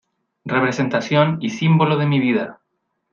representación y símbolo de mi vida.